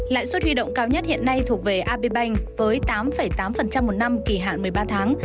lãi suất huy động cao nhất hiện nay thuộc về abbank với tám tám một năm kỳ hạn một mươi ba tháng